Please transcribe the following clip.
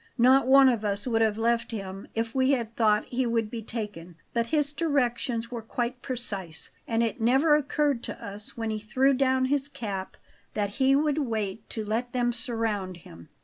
"Not one of us would have left him if we had thought he would be taken; but his directions were quite precise, and it never occurred to us, when he threw down his cap, that he would wait to let them surround him.